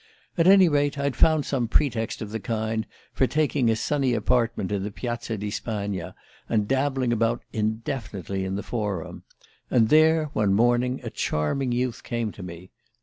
At any rate, I'd found some pretext of the kind for taking a sunny apartment in the Piazza di Spagna and dabbling about indefinitely in the Forum; and there, one morning, a charming youth came to me.